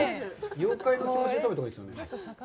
妖怪の感じで食べたほうがいいですね。